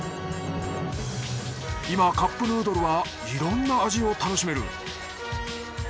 今カップヌードルはいろんな味を楽しめる。